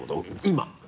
今。